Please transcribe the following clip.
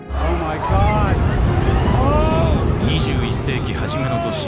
２１世紀初めの年